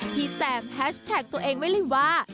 แซมแฮชแท็กตัวเองไว้เลยว่า